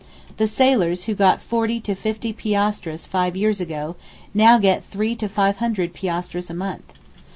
The sailors who got forty to fifty piastres five years ago now get three to five hundred piastres a month.